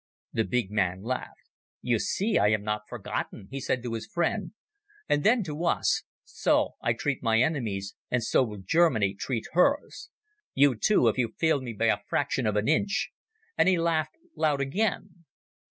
The big man laughed. "You see I am not forgotten," he said to his friend, and then to us: "So I treat my enemies, and so will Germany treat hers. You, too, if you fail me by a fraction of an inch." And he laughed loud again.